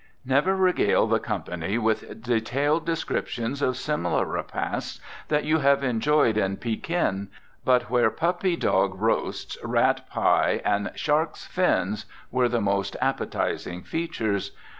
Never regale the company with detailed descriptions of similar repasts that you have enjoyed in Pekin, but where puppy dog roasts, rat pie and sharks' fins were the most appetizing features.